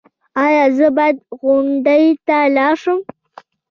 ایا زه باید غونډې ته لاړ شم؟